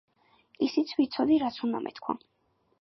ისიც ვიცოდი რაც უნდა მეთქვა.